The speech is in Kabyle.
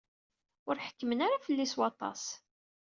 Ur ḥekkmen ara fell-i s waṭas.